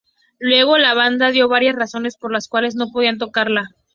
Luego la banda dio varias razones por las cuales no podían tocarla.